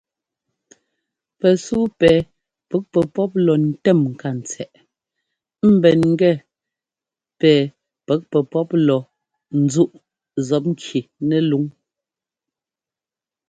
Pɛsúu pɛ pɛ́k pɛpɔ́p lɔ ńtɛ́m ŋkantsɛꞌ ḿbɛn gɛ pɛ pɛ́k pɛpɔ́p lɔ ńzúꞌ zɔpŋki nɛlúŋ.